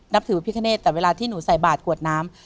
นับถือพระพิคเนตแต่เวลาที่หนูใส่บาทกวดน้ำ